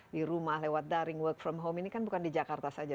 di rumah lewat daring work from home ini kan bukan di jakarta saja